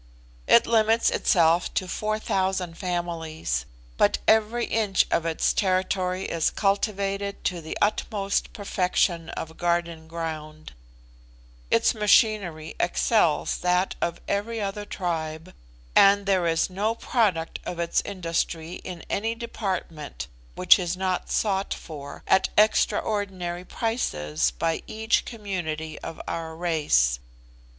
It limits itself to four thousand families; but every inch of its territory is cultivated to the utmost perfection of garden ground; its machinery excels that of every other tribe, and there is no product of its industry in any department which is not sought for, at extraordinary prices, by each community of our race.